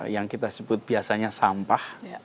yang kita sebut biasanya sampah